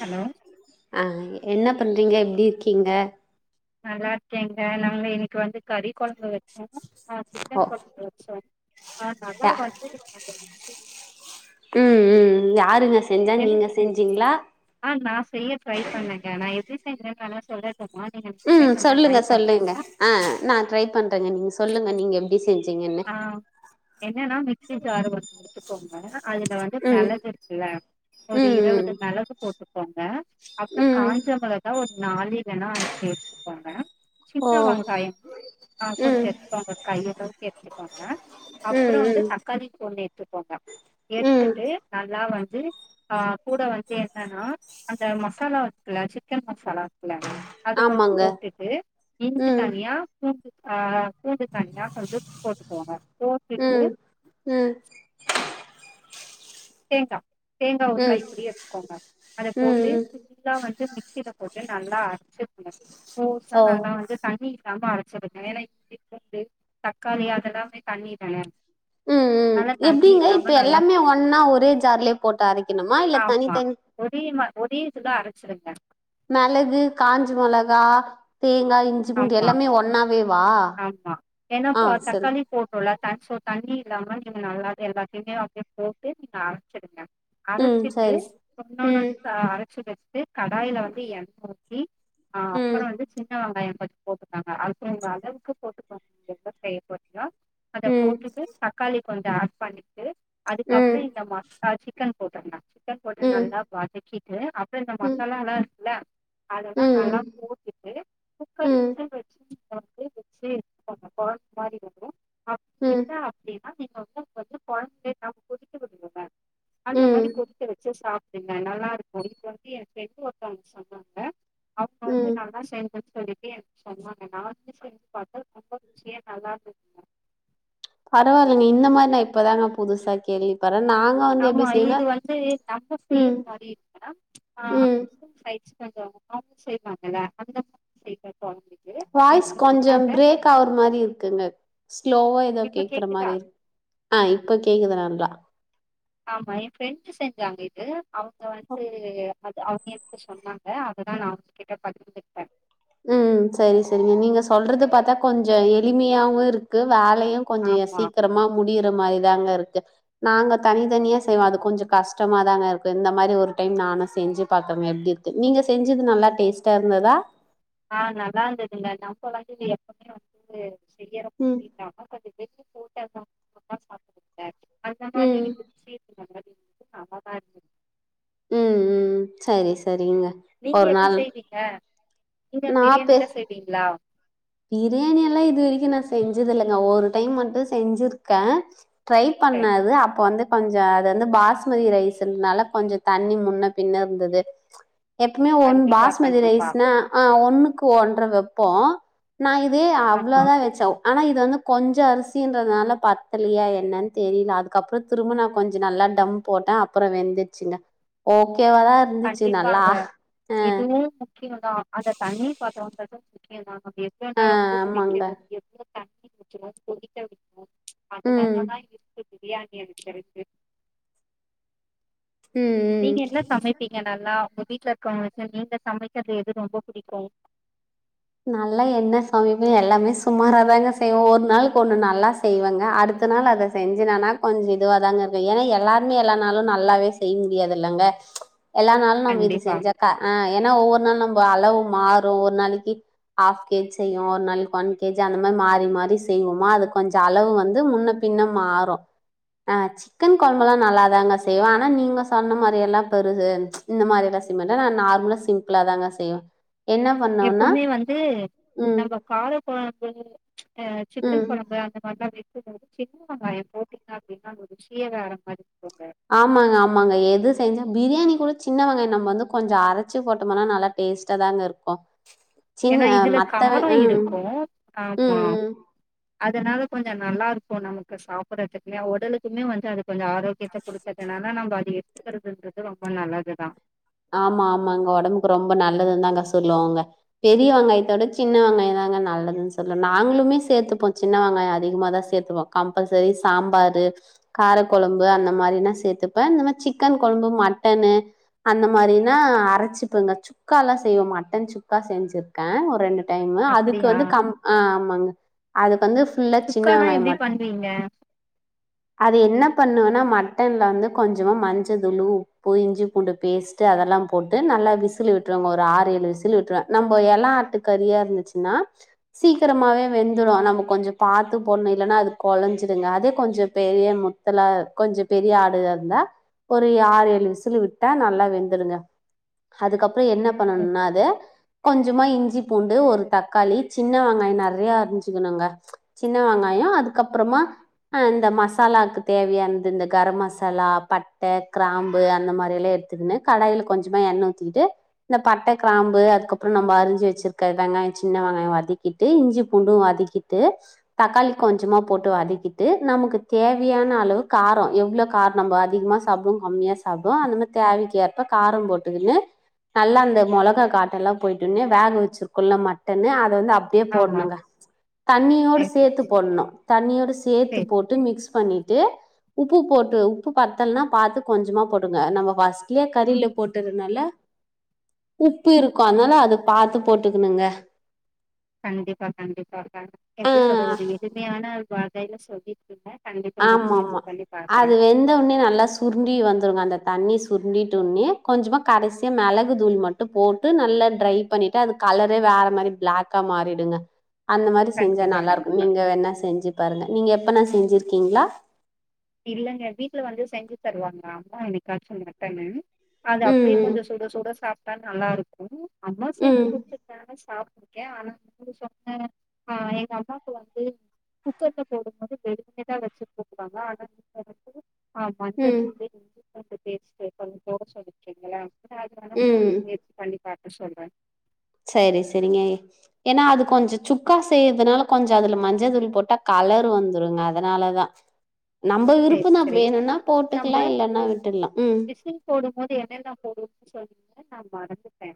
Hello அ என்ன பண்றீங்க எப்டி இருக்கீங்க நல்லா இருக்கேங்க நாங்க இன்னைக்கு வந்து கறி கொழம்பு வச்சோம் ஆ ஓ சிக்கன் கொழம்பு வச்சோம் ஆ நல்லா யா வந்தது ஒரு பாக்கெட்டு பிஸ்கைட்டு ம் ம் யாருங்க செஞ்சா நீங்க தெரில செஞ்சீங்ளா ஆ நா செய்ய ட்ரை பண்ணங்க நா எப்டி செஞ்சேன் கணவர் சொல்றார் அப்றமா நீங்க நெக்ஸ்ட் ம் டைம் வேணா ட்ரை சொல்லுங்க சொல்லுங்க பண்றீங்களா ஆ நா ட்ரை பண்றேங்க நீங்க சொல்லுங்க நீங்க எப்டி செஞ்சீங்கன்னு ஆ என்னன்னா மிக்சி ஜார [unintelligible] எத்துக்கோங்க அதுல வந்து ம் மெளகு இருக்குல்ல ஒரு ம் இருவது மெளகு போட்டுக்கோங்க அப்றம் ம் ம் காஞ்ச மெளகா ஒரு நாலு இல்லனா அஞ்சி எடுத்துக்கோங்க ஓ சின்ன வெங்காயம் ஆ ம் கொஞ்சம் எடுத்துக்கோங்க கையளவு சேத்துக்கோங்க ம் அப்றம் வந்து ம் தக்காளி ஒன்னு எடுத்துக்கோங்க ம் எடுத்துட்டு நல்லா வந்து ஆ கூட வந்து என்னன்னா அந்த மசாலா இருக்குல்ல சிக்கன் மசாலா இருக்குல அது கொஞ்சம் ஆமாங்க போட்டுட்டு இஞ்சி ம் தனியா பூண்டு ஆ பூண்டு தனியா கொஞ்சோ போட்டுக்கோங்க போட்டுட்டு ம் ம் தேங்கா தேங்கா ஒரு கை ம் புடி எடுத்துக்கோங்க அத போட்டு ம் நல்லா வந்து மிக்சில போட்டு நல்லா அரச்சிக்குனு கோர்சா ஓ நல்லா வந்து தண்ணி இல்லாம அரச்சிக்கோங்க ஏன்னா இஞ்சி பூண்டு தக்காளி அதெல்லாமே தண்ணி தான ம் ம் எப்டிங்க இப்ப நல்லா எல்லாமே ஒன்னா ஒரே ஜார்லயே போட்டு அரைக்கணுமா இல்ல தனி தனி ஒடியமா ஒடே இதுதா அரச்சிடுங்க மெளகு காஞ்சமொளகா தேங்கா இஞ் சி பூண்டு ஆமா எல்லாமே ஒன்னாவே வா ஆ சொல்லு சொல்ல தேங்க்ஸ்ஸோ தண்ணி இல்லாம நீங்க நல்லாவே எல்லாத்தையுமே அப்டியே போட்டு நீங்க அரச்சிடுங்க ம் அரச்சிட்டு சரி ச ஒன்னொன்னா ம் எத்து அரச்சு வச்சுட்டு கடாயில வந்து எண்ணெ ஊத்தி ஆ ம் அப்பற வந்து சின்ன வெங்காயம் அது போட்டுக்காங்க அடுத்து உங்க அளவுக்கு போட்டுக்கங்க என்ன செய்ய போறேன்னா அத ம் போட்டுட்டு தக்காளி கொஞ்சோ ஆட் பண்ணிட்டு ம் அதுக்கப்றோ இந்த ம ஆ சிக்கன் போட்ருங்க சிக்கன் போட்டு ம் நல்லா வதக்கிட்டு அப்ற இந்த ம் மசாலால்லா இருக்குல அதெல்லா நல்லா ம் போட் ட்டுட்டு ம் வெச்சு [inaudible] வச்சு கொழம்பு மாரி வரும் ம் அப்டின்னா அப்டின்னா நீங்க வந்து வந்து கொழம்பு நல்லா கொதிக்க விட்டுடுங்க அந்த ம் மாரி கொதிக்க வச்சி சாப் டுங்க நல்லா இருக்கும் இது வந்து என் ஃப்ரெண்டு ஒருத்தவங்க சொன்னாங்க அவங்க வந்து ம் நல்லா செய்வன் சொல்லிட்டு சொன்னங்கன்னா [unintelligible] பரவால்லங்க இந்த மாரி நான் இப்பதாங்க புதுசா கேள்விப்பட்றேன் நாங்க வந்து எப்டி ஆமா செய்வோனா இது வந்து நம்ம செய்யிற ம் மாரி இல்ல ஆ ம் [unintelligible] செய்வாங்கள்ல அந்த செய்ற கொழம்பு இது அவங்க வாய்ஸ் எனக்கு கொஞ்சம் சொன்னாங்க பிரேக் ஆவுர மாரி இருக்குங்க ஸ்லோவா ஏதோ இப்ப கேக்குற கேக்குதா மாரி இருக் ஆ இப்போ கேக்குது நல்லா ஆமா என் ஃப்ரெண்ட்டு செஞ்சாங்க இது அவங்க வந்து அது அவங்க என்ன சொன்னாங்க அததா நா உங்ககிட்ட பகிர்ந்துகிட்டே ம் சரி சரிங்க நீங்க சொல்றது பாத்தா கொஞ்ச எளிமையாவு இருக்கு வேலையு கொஞ்சோ எ ஆமா சீக்கரமா முடியிற மாரிதாங்க இருக்கு நாங்க தனித்தனியா செய்வோ அது கொஞ்ச கஷ்டமா தாங்க இருக்கு இந்த மாரி ஒரு டைம் நானும் செஞ்சு பாக்குறங்க எப்டி இருக் து நீங்க செஞ்சிது நல்லா டேஸ்ட்டா இருந்ததா ஆ நல்லா இருந்ததுங்க நம்ப வந்து இங்க எப்பமே வந்து செய்யறோ ம் [unintelligible] போட்டா [unintelligible] அந்த மாரி ம். இருக்கு [unintelligible] ம் ம் சரி சரிங்க நீங்க ஒரு எப்டி நாள் செய்வீங்க நீங்க நான் பெ பிரியாணிலா செய்வீங்ளா பிரியாணி எல்லா இதுவெரிக்கு நான் செஞ்சது இல்லங்க ஒரு டைம் மட்டு செஞ்சிர்க்கே ட்ரை சரி, பண்ணது அப்போ வந்து கொஞ்ச அது வந்து பாஸ்மதி ரைஸ்ஸுன்னால கொஞ்ச தண்ணி முன்ன பின்ன இருந்தது எப்பமே ஒன் கண்டிப்பா பாஸ்மதி கண்டிப்பா ரைஸ்னா ஆ ஒன்னுக்கு ஒன்ற வெப்போ நா இதே அவ்ளோ ஆமா தா வெச்ச ஆனா இது வந்து கொஞ்ச அரிசின்றதுனால பத்தலையா என்னன்னு தெரில அதுக்கப்றோ திரும்ப நான் கொஞ்சம் நல்லா டம்ப் போட்டே அப்பறோ வெந்துச்சுங்க ஓகேவா தா கண்டிப்பாங்க இதுவு முக் க்கியோ தா அந்த தண்ணி பதோம் ஆமாங்க. ம். [unintelligible] [unintelligible] ம் ம். நீங்க என்ன சமைப்பீங்க நல்லா உங்க வீட்ல இருக்குறவங்க வச்ச நீங்க சமைக்கிறது எது ரொம்ப புடிக்கும் நல்லா என்ன சமைப்பே எல்லாமே சுமாராதாங்க செய்வ ஒரு நாள்க்கு ஒண்ணு நல்லா செய்வங்க அடுத்த நாள் அத செஞ்சுனானா கொஞ்ச இதுவாதாங்க இருக்கு ஏன்னா எல்லாருமே எல்லானாலு நல்லாவே செய்ய முடியாது இல்லங்க எல்லா நாளு நம்ம இது கண்டிப்பா செஞ்சாக்கா ஆ ஏன்னா ஒவ்வொரு நாளு நம்ப அளவு மாறும் ஒ நாளைக்கி ஆஃப் கே ஜி செய்யு ஒரு நாளைக்கு ஒன் கே ஜி அந்த மாதிரி மாறி மாறி செய்வோமா அது கொஞ்ச அளவு வந்து முன்னப் பின்ன மாறு ஆ சிக்கன் கொழம்பல்லா நல்லாதாங்க செய்வே ஆனா நீங்க சொன்ன மாரி எல்லா பெருசு இந்த மாரி எல்லா செய்மாட்ட நா நார்முலா ஸ் சிம்பிளா தாங்க செய்வே என்ன பண்ணுவேன்னா எப்போமே வந்து ம். நம்ப கார கொழம்பு அ சிக்கன் ம். கொழம்பு அந்த மாரிலா வெக்கும்போதை சின்ன வெங்காயம் போட்டீங்க அப்டின்னா [unintelligible] ருசியே வேற மாதிரி [unintelligible] ஆமாங்க ஆமாங்க எது செஞ்சா பிரியாணி கூட சின்ன வெங்காய நம்ம வந்து கொஞ்ச அரைச்சு போட்டோம்மன்னா நல்லார் டேஸ்ட்டா தாங்க இருக்கும் சின்ன ஏன்னா இதுல மத்த வெ காரோ ம். இருக்கும் ஆமா ம், ம். அதனால கொஞ்ச நல்லா இருக்கும் நமக்கு சாப்புட்றதுக்குனே உடலுக்குமே வந்து அது கொஞ்ச ஆரோ கேட்ட குடுத்ததுனால நம்ம அது எடுத்துக்கிறதுன்றது ரொம்ப நல்லதுதா ஆமா ஆமா அங்க உடம்புக்கு ரொம்ப நல்லது தானுங்க சொல்லுவாங்க பெரிய வெங்காயத்தோட சின்ன வெங்காய தாங்க நல்லதுதானு சொல்லுவோ நாங்களுமே சேத்துப்போ சின்ன வெங்காய அதிகமா தா சேத்துப்போ கம்பல்சரி சாம்பாரு காரக்கொழம்பு அந்த மாரிலா சேத்துப்பே இந்த மாரி சிக்கன் கொழம்பு மட்டன்னு அந்த மாரினா அரச்சிப்புங்க சுக்கா எல்லா செய்வோ மட்டன் சுக்கா செஞ்சிருக்கே ஒரு ரெண்டு டைம்மு அதுக்கு அப்படியா வந்து கம் ஆ அதுக்கு வந்து புல்லா சின்ன வெங்காய மட்டு இங்க அது என்ன பண்ணுவேண மட்டன்ல வந்து கொஞ்சோ மா மஞ்ச தூளு உப்பு இஞ்சி பூண்டு பேஸ்ட்டு அதெல்லா போட்டு நல்லா விசில் விட்ருவாங்க ஒரு ஆறு ஏழு விசில விட்ருவே நம்ம எல ஆட்டு கறியா இருந்துச்சுனா நா சீக்கிரமாவே வெந்துடு நம்ம கொஞ்ச பாத்து போடணு இல்லேன்னா அது கொலைஞ்சிடுங்க அதே கொஞ்சோ பெரிய மு த்துல கொஞ்சோ பெரிய ஆடா இருந்தா ஒரு ஆறு ஏழு விசல் விட்டு விட்டா நல்லா வெந்துடுங்க அதுக்கப்புற என்ன பண்ணும்னா அது கொஞ்சோ கொஞ்சோ மா இஞ்சி பூண்டு ஒரு தக்காளி சின்ன வெங்காய நெறைய அரிஞ்சிக்கணுங்க சின்ன வெங்காய அதுக்கப்புறமா இந்த மசாலாக்கு தேவையானந்த இந்த கர மசாலா பட்ட கிராம்பு அந்த மாரி எல்லா கடாயில கொஞ்சோ எண்ண ஊத்திகிட்டு இந்த பட்ட கிராம்பு அதுக்கப்புற நம்ம அரிஞ்சு வச்சிருக்க வெங்காய சின்ன வெங்காய வதக்கிட்டு ட்டு இஞ்சி பூண்டு வதக்கிட்டு தக்காளியு கொஞ்சமா போட்டு வதக்கிட்டு நமக்கு தேவையான அளவு கார எவ்ளோ கார நம்ம அதிகமாக சாப்பிடு கம்மியா சாப்பிடு அந்த மாரி தேவேக்கு ஏப்ப கார போட்டுக்கன்னு நல்லா அந்த மொளகா காட்ட எல்லா போயிட்டுன்னு வேக வச்சிருக்கும்ல மட்டன்னு அத வந்து அப்டியே ஆமா போடனுங்க தண்ணியோட சரி சேத்து போடனு தண்ணியோட சேர்த்து சரி போட்டு மிக்ஸ் பண்ணிட்டு உப்பு போட்டு உப்பு பத்தல்னா பாத்து கொஞ்சமா போடுங்க நம்ம ஃபர்ஸ்ட்லே கரியில போட்டதுனால உப்பு இருக்கு அதனால அத பாத்து போட்டுக்கணுங்க கண்டிப்பா கண்டிப்பா அக்கா ஆ எப்டி சொல்றதுக ஒரு எளிமையான வகையில சொல்லிருக்குகேங்க கண்டிப்பா நா முயற்சி பண்ணி பாக்கேற உன்னே நல்லா சுருண்டி வந்துங்க அந்த தண்ணி சுருண்டிட்டு உன்னே கொஞ்சமா கடைசிய மிளகு தூள் மட்டு போட்டு நல்லா ட்ரை பண்ணிட்டு அது கலரே வேற மாரி பிளாகக்கா மாறிடுங்க அந்த மாரி செஞ்சா கண்டிப்பா நல்லா இருக்கு கண்டிப்பா நீங்க வேணா செஞ்சு பாருங்க நீங்க எப்னா செஞ்சிருக்கீங்களா இல்லேங்க வீட்டில வந்து செஞ்சு தருவாங்க அம்மா என்னைக்காச்சு மட்டன்னு அது அப்டியே ம் கொஞ்ச சுட சுட சாப்ட்டா நல்லா இருக்கு அம்மா ம் செஞ்சி ம் கொடுத நானு சாப்டுருகே ஆனா சொன்ன ஆ எங்க அம்மாக்கு வந்து குக்கர்ல போடும்போது வெளியதா வச்சி போடு வாங்க ஆனா ந்து ஆஹ் ம் மஞ்சத்துல் கொஞ்சோ பேஸ்ட்டு கொஞ்சோ போட சொல்லிடிங்களே [unintelligible] அத வேன ம் போட்டு முயற்சி பண்ணி பாக்க சொல்றே சேரி சேரிங்க ஏன்னா அது கொஞ்சோ சுக்கா செய்யறதுனால கொஞ்சோ அதல மஞ்ச தூள் போட்டா கலர் வந்துருங்க அதனால தா [inaudible] நம்ம சேரி விருப்பதா சேரி வேணும்னா போட்டுகலா இல்லேன்னா விட்டுலா ம் போடும் போது என்னய தா போடு சொன்னீங்கன்னு நா மறந்துடே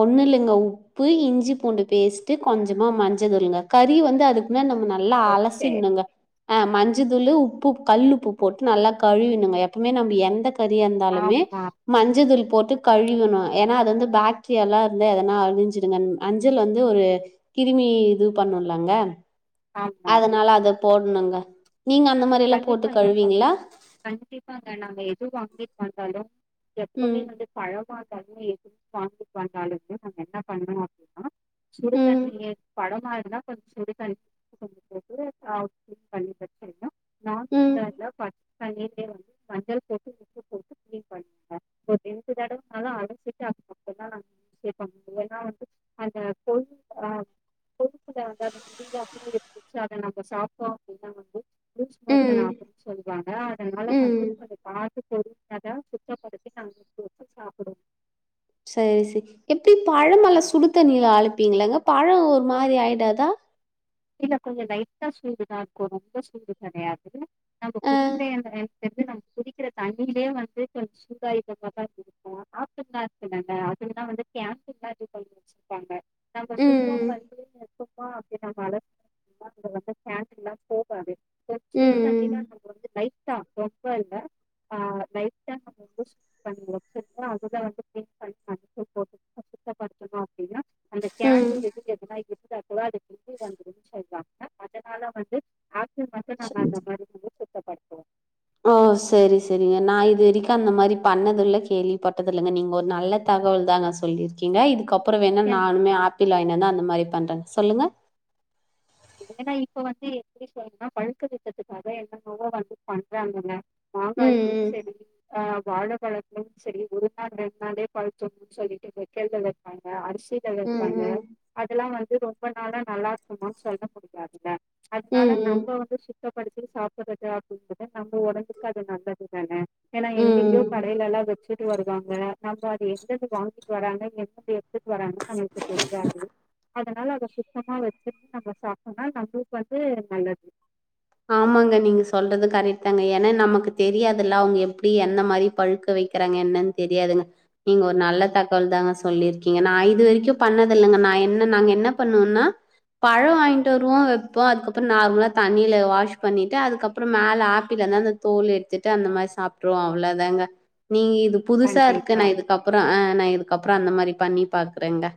ஒண்ணுல்லைங்க உப்பு இஞ்சி பூண்டு பேஸ்ட்ட் கொஞ்சமா மஞ்சதூலுங்க கறி வந்து அதுக் மே நம்ம நல்லா ஓ சேர் அலசின்னுங்க ஆ மஞ்ச தூளு உப்பு கல்லுப்பு போட்டு நல்லா கழுவினுங்க எப்பமே நம்ம எந்த கறியா இருந்தாலுமே ஆமா மஞ்சதூள் போட்டு கழுவினு ஏனா அது வந்து பேக் டிரியாலா இருந்தா எதனா அழிஞ்சிடுங்க மஞ்சள் வந்து ஒரு கிருமி இது பண்ணும் இல்லங்க ஆமா அதனால அத போடணுங்க நீங்க அந்த மாரி லா போட்டு கழுவீங்கிளா கண்டிபாங்க நாங்க எது வாங்கிட்டு வந்தாலு எப்பமே ம் வந்து பழமா இருந்தாலுமே எதும் வாங்கிட்டு வந்தாலுமே நாங்க என்ன பண்ணணோ அப்டின்னா [unintelligible] ம் சுடுத்தண்ணி பழமா இருந்தா கொஞ்சம் சுடு தண்ணி கொஞ்சம் பச்ச தண்ணி போட்டு ஆ கிளீன் பண்ணி பிரச்சிறனும் ம் நான்வெஜ்ஜா இருந்தா பச்ச தண்ணிலே வந்து மஞ்சள் போட்டு உப்பு போட்டு கிளீன் பண்ணுங்க இப்போ ரெண்டு தடவ நாலும் அலசிட்டு அப்பறந்தா சேட் பண்ணனு ஏனா வந்து அந்த கொழு ஆ கொழுப்புல வந்து அந்த முடிலா அதுல இருந்துச்சி அத நம்ம சாப்ட்டோ அப்டின்னா வந்து லூஸ்மோசன் ம் ஆகும் சொல்றாங்க அதனால ம் வந்து இப்டி பாத்து பொறுமையாதா சுத்தபடுத்தி நாங்க வச்சி வச்சி சாப்டுவோ சரி செ எப்டி பழமல்லா சுடு தண்ணில அலப்பீங்களா பழம் ஒரு மாரி ஆயிடாதா இல்ல கொஞ்ச லைட்டா சூடுதா இருக்கும் ரொம்ப சூடு கெடையாது நம்ப ஆ குடிக்கிற என்ன என் எப்டி நம்ம குடிக்கிற தண்ணிலே வந்து கொஞ்ச சூடா இருக்க மாறி தான் இருக்கும் ஆப்ட்டு சூடன்னா அதுதா வந்து கேப்பிங்லா இப்ப வச்சிருப்பாங்க நம்ம ம் சும்மா வந்து சும்மா அப்டி நம்ம அலச சாப்பிட வந்து கேப்பிங்லா போகாது [inaudible] ம் சுடு ம் தண்ணில நம் வந்து லைட்டா ரொம்ப இல்ல ஆ லைட்டா [inaudible] அதுதா வந்து [inaudible] சுத்தபடுத்தணு அப்டின்னா அந்த ம் கேண்டுல இது ஏத்தனா இருகுதா [inaudible] ம்ச்சி உடுவாங்க அதனால வந்து ஆட்டு மட்டும் நானு அந்த மாரி வந்து சுத்தப்படுத்துவோ ஓ செரி செரிங்க நா இது வரைக்கும் அந்த மாரி பண்ணதில்ல கேள்விபட்டதும் இல்லங்க நீங்க ஒரு நல்ல தகவல் தாங்க சொல்லி இருக்கீங்க இதுக்கப்பறம் வேணா நானுமே ஆப்பிள் வாங்கிட்டு வந்தா அந்த மாரி பண்றேங் சொல்லுங்க ஏனா இப்ப வந்து எப்டி சொல்றனா பழுக்க வக்கத்துக்காக என்ன என்னமோ வந்து பண்றாங்கங்க மாங்காயிம் ம் செரி ஆ வாழபழத்திலியு செரி ஒரு நாள் ரெண்டு நாளே பழுத்துரு சொல்லிட்டு வக்கல்ல வப்பாங்க அரிசி ல ம் ம் வப்பாங்க அதெல்லா வந்து ரொம்ப நாளா நல்லா இருக்குமான் சொல்ல முடியாதுல்ல ம் அதனால ம் நம்ப வந்து சுத் தபடுத்தி சாப்பறது அப்டின்றது நம்ம ஒடம்புக்கு அது நல்லது தான ஏனா எங்கங்கயோ ம் ம் கடையிலலா வச்சிட்டு வருவாங்க நம்ப அது எங்க இருந்து வாங்கிட்டு வறாங்க எங்க இருந்து எடுத்துட்டு வராங்க நமக்கு தெரியாது அதனால அத சுத்தமா வச்சி நம்ம சாப்ட்டனா நம்பளுக்கு வந்து நல்லது ஆமாங்க நீங்க சொல்றது கரெட் தாங்க ஏனா நமக்கு தெரியாதுல்ல அவுங்க எப்டி எந்த மாரி பழுக்க வைக் கறாங்க என்னன் தெரியாதுங்க நீங்க ஒரு நல்ல தகவல் தாங்க சொல்லி இருக்கீங்க நா இது வரைக்கும் பண்ணதில்லங்க நா என்ன நாங்க என்ன பண்ணுவோனா பழம் வாங்கிட்டு வருவோம் வப்போம் அதுக்கப்புறம் நார்மலா தண்ணியில வாஷ் பண்ணிட்டு அதுக்கப்புறம் மேல ஆப்பிள் இருந்த அந்த தோலு எடுத்துட்டு அந்த மாரி சாப்ட்டுருவோ அவ்ளோதாங்க நீங்க இது புதுசா இருக்கு கண்டிப்பா நா இதுக்கப்புறம் ஆ நா இதுக்கப்புறம் அந்த மாரி பண்ணி பாக்கறேங்க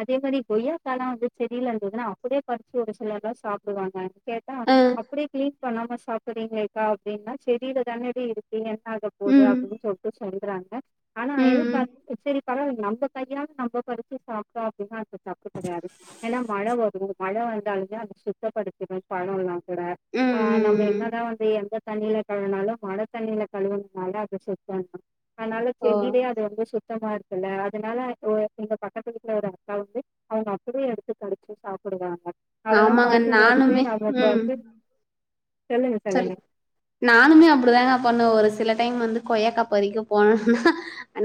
அதே மாரி கொய்யாக்காலா வந்து செடியில இருந்ததுன்னா அப்டே பறிச்சி ஒரு சிலர்ல்லா சாப்டுவாங்க கேட்டா அ. அப்டே கிளீன் பண்ணாம சாப்றீங்களேக்கா அப்டின்னா செடில தானடி இருக்கு என்ன ஆக போது ம். அப்டின்னு சொல்லிட்டு செல்றாங்க ஆனா ம். எனக்கு ம். அப்போ சேரி பரவால்ல நம்ம கையால நம்ம படச்சி சாப்ட்டோ அப்டின்னா அது தப்புகிடையாது ஏன்னா மழ வரும் மழ வந்தாலுமே அது சுத்தப்படுத்தத்துவே பழம் எல்லாம் கூட ஆ ம். ம். நம்ம ம். என்னதா வந்து எந்த தண்ணியில கழுவுனாலும் மழ தண்ணீல கழுவுனதால தான் அது சுத்தம் அதனால ஓ! செடியிலயே அது ரொம்ப சுத்தமா இருக்குல்ல அதனால ஓ இந்த பக்கத்து கீல ஒரு அக்காக்கு அவுங்க அப்டியே எடுத்து கடிச்சு சாப்டுவாங்க அதலா ஆமாங்க. பார்க்கும் போதுமே நானுமே நமக்கு வந்து ம். சொல்லுங்க சரி சொல்லுங்க நானுமே அப்டிதான்ங்க பண்ணுவ ஒரு சில டைம் வந்து கொய்யாக்காப்பரிக்க போனோம்னா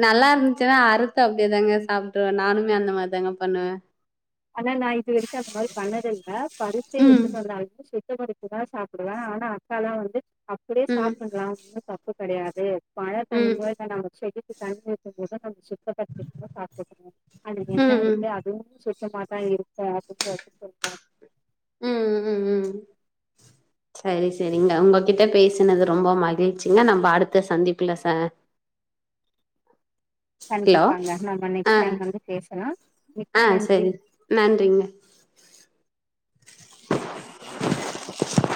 நல்லா இருந்துச்சுன்னா அறுத்து அப்டியே தாங்க சாப்பிடுவே நானுமே அந்த மாரி தாங்க பண்ணுவே ஆனா நா இது வரைக்கும் அந்த மாரி பண்ணதல்ல பரிச்சு ம் எடுத்துட்டு வந்தாலுமே சு பத்து மணிக்கு தா சாப்பிடுவே ஆனா அக்காலா வந்து அப்டியே ம் சாப்பிடலாம்னு ஒன்னும் தப்பு கிடையாது மழ ம் தண்ணிக்கு நம்ம செடிக்கு தண்ணி ஊத்து போது சுத்தபடுத்திட்டு தா சாப்பணும் அது என்ன ம் இருக்கு அதுவும் செக் சுத்தமாதா இருக்கு அப்டினு சொல்லு வாங் ம் ம் ம் ம் செரி செரிங்க உங்ககிட்ட பேசுனது ரொம்ப மகிழ்ச்சிங்க நம்ம அடுத்த சந்திப்புல சார் ஹலோ கண்டிப்பாங்க நம்ம ஆ நெக்ஸ்ட் டைம் வந்து பேசலாம் ஆ மிக்க நன்றி சரி நன்றிங்க